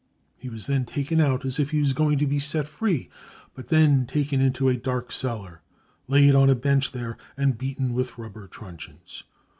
rie was then taken out as if he was going to be set free but then taken into a dark cellar, laid on a bench there, and beaten with rubber truncheons.